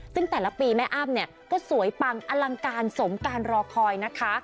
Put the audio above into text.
ซึ่งแต่ละปีแม่อ้ำเนี่ยก็สวยปังอลังการสมการรอคอยนะคะ